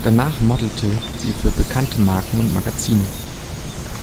Danach modelte sie für bekannte Marken und Magazine.